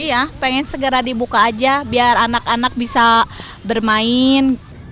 iya pengen segera dibuka aja biar anak anak bisa bermain